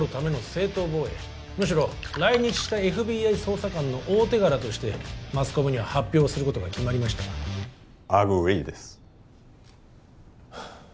正当防衛むしろ来日したＦＢＩ捜査官の大手柄としてマスコミには発表することが決まりましたアグリーですはあっ